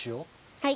はい。